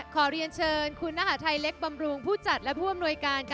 ขอเรียนเชิญคุณมหาชัยเล็กบำรุงผู้จัดและผู้อำนวยการ